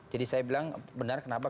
jadi saya bilang benar kenapa